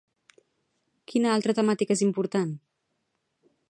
Quina altra temàtica és important?